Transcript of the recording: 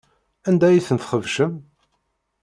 Anda ay ten-txebcem?